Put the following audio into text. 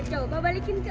coba balikin ke